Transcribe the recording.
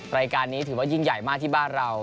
รายการนี้ถือว่ายิ่งใหญ่มากที่บ้านเรา